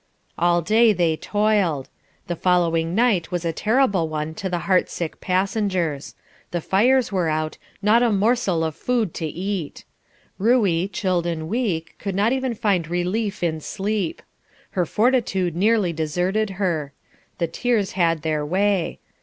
All day they toiled. The following night was a terrible one to the heart sick passengers. The fires were out; not a morsel of food to eat. Ruey, chilled and weak, could not even find relief in sleep. Her fortitude nearly deserted her. The tears had their way.